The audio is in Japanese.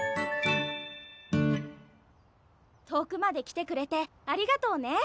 遠くまで来てくれてありがとうね。